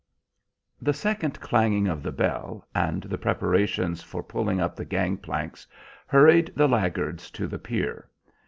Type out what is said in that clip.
The second clanging of the bell, and the preparations for pulling up the gang planks hurried the laggards to the pier.